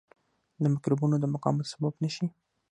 د مکروبونو د مقاومت سبب نه شي.